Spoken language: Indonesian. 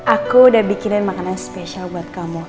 aku udah bikinin makanan yang spesial buat kamu